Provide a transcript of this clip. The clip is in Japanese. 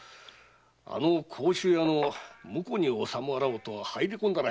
あの甲州屋の婿に納まろうと入り込んだらしい。